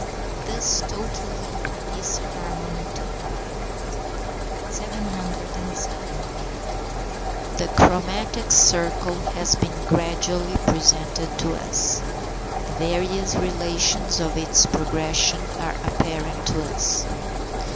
This totality is harmony to the eye. 707. The chromatic circle has been gradually presented to us; the various relations of its progression are apparent to us.